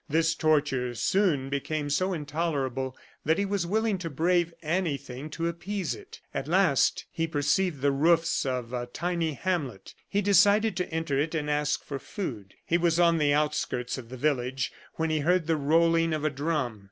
This torture soon became so intolerable that he was willing to brave anything to appease it. At last he perceived the roofs of a tiny hamlet. He decided to enter it and ask for food. He was on the outskirts of the village, when he heard the rolling of a drum.